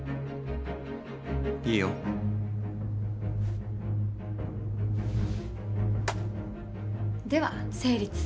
いいよでは成立！